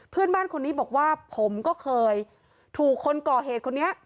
เพื่อนบ้านคนนี้บอกว่าผมก็เคยถูกคนก่อเหตุคนนี้